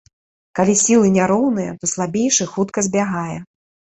Калі сілы няроўныя, то слабейшы хутка збягае.